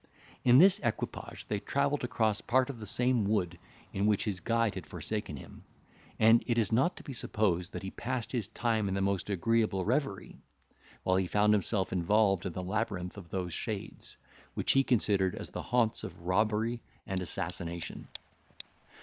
In this equipage they travelled across part of the same wood in which his guide had forsaken him; and it is not to be supposed that he passed his time in the most agreeable reverie, while he found himself involved in the labyrinth of those shades, which he considered as the haunts of robbery and assassination.